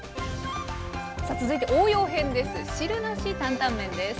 さあ続いて応用編です。